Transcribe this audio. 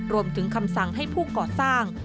รวมถึงคำสั่งให้ผู้ก่อสร้าง